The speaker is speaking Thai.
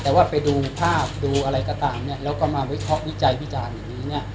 แต่ว่าไปดูภาพดูอะไรก็ตามเนี่ยแล้วก็มาวิเคราะห์วิจัยวิจารณ์อย่างนี้เนี่ย